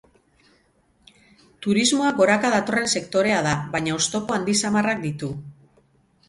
Turismoa goraka datorren sektorea da, baina oztopo handi samarrak ditu.